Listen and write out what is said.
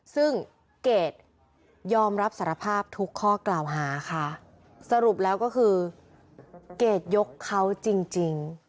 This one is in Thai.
ซึ่งเกรดยอมรับสารภาพทุกข้อกล่าวหาค่ะสรุปแล้วก็คือเกรดยกเขาจริง